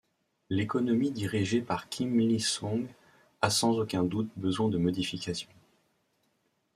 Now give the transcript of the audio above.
L'économie dirigée par Kim Il-sung a sans aucun doute besoin de modifications.